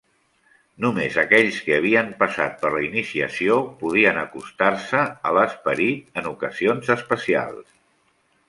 Només aquells que havien passat per la iniciació podien acostar-se a l'esperit en ocasions especials.